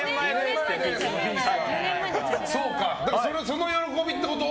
その喜びってこと？